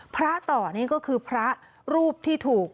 พระต่อนี่ก็คือพระรูปที่ถูก